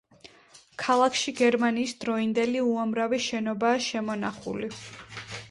ქალაქში გერმანიის დროინდელი უამრავი შენობაა შემონახული.